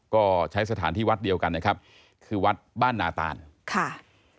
ก็ใช้สถานที่วัดเดียวกันนะครับคือวัดบ้านนาตานค่ะ